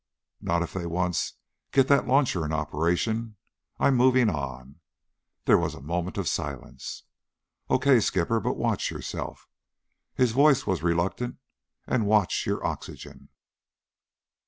"Not if they once get that launcher in operation. I'm moving on." There was a moment of silence. "Okay, skipper, but watch yourself." His voice was reluctant. "And watch your oxygen."